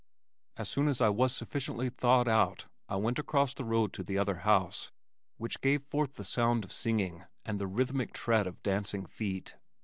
As soon as I was sufficiently thawed out I went across the road to the other house which gave forth the sound of singing and the rhythmic tread of dancing feet.